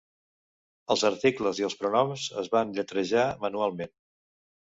Els articles i els pronoms es van lletrejar manualment.